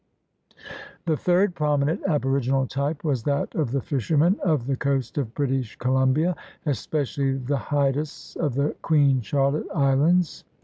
The third prominent aboriginal type was that of the fishermen of the coast of British Colum bia, especially the Haidas of the Queen Charlotte Islands.